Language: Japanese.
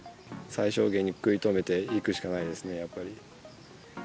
最小限に食い止めていくしかないですね、やっぱり。